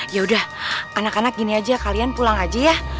ya udah anak anak gini aja kalian pulang aja ya